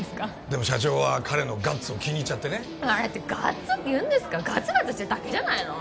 でも社長は彼のガッツを気に入っちゃってねあれってガッツっていうんですかガツガツしてるだけじゃないの？